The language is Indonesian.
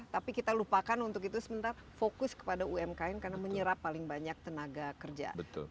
tapi kita lupakan untuk itu sementara fokus kepada umkm karena menyerap paling banyak tenaga kerja